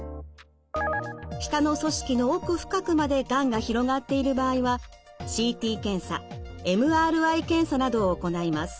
舌の組織の奥深くまでがんが広がっている場合はＣＴ検査ＭＲＩ検査などを行います。